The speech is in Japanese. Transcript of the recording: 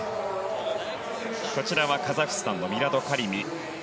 こちらはカザフスタンのミラド・カリミ。